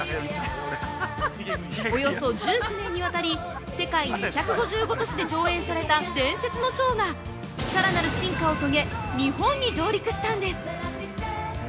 およそ１９年にわたり世界２５５都市で上演された伝説のショーがさらなる進化を遂げ日本に上陸したんです！